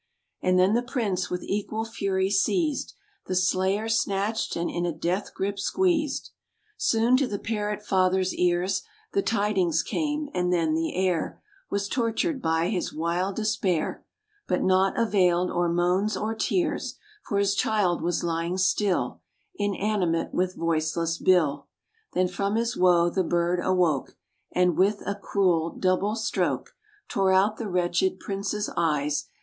And then the Prince, with equal fury seized, The slayer snatched, and in a death grip squeezed. Soon to the Parrot father's ears The tidings came, and then the air Was tortured by his wild despair; But nought availed, or moans or tears, For his child was lying still Inanimate, with voiceless bill. Then from his woe the bird awoke, And, with a cruel, double stroke, Tore out the wretched Prince's eyes.